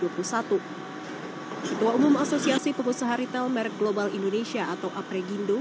ketua umum asosiasi pengusaha retail merk global indonesia atau apregindo